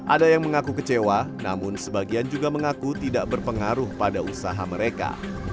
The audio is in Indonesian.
ada yang mengaku kecewa namun sebagian juga mengaku tidak berpengaruh pada usaha mereka